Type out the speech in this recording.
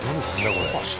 これ。